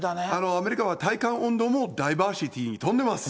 アメリカは体感温度もダイバーシティに飛んでます。